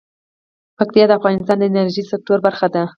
پکتیا د افغانستان د انرژۍ سکتور برخه ده.